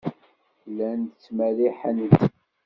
Llant ttmerriḥent.